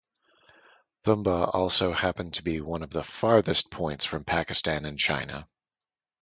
Thumba also happened to be one of the farthest points from Pakistan and China.